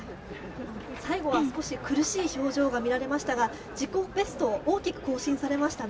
最後は少しい苦しい表情が見られましたが、自己ベストを大きく更新されましたね。